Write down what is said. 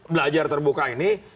belajar terbuka ini